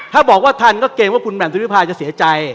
ถ้าบอกว่าทันก็เกรงว่าคุณแหม่มสุริพาจะเสียใจ